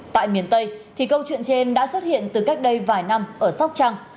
tại miền tây thì câu chuyện trên đã xuất hiện từ cách đây vài năm ở sóc trăng